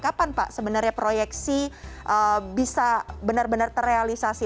kapan pak sebenarnya proyeksi bisa benar benar terrealisasi